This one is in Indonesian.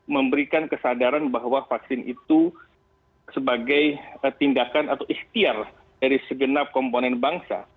memberikan kesadaran bahwa vaksin itu sebagai tindakan atau ikhtiar dari segenap komponen bangsa